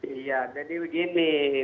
iya jadi begini